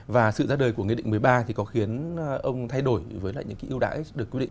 và sự ra đời của nghị định một mươi ba thì có khiến ông thay đổi với lại những cái yếu đải được quyết định